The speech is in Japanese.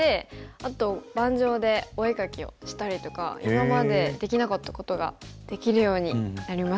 あと盤上でお絵かきをしたりとか今までできなかったことができるようになりますよね。